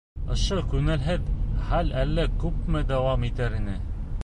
Ошо күңелһеҙ хәл әллә күпме дауам итер ине...